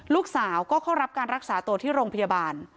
ลูกสาวก็เข้ารับการรักษาตัวที่โรงพยาบาล